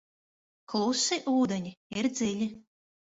Klusi ūdeņi ir dziļi.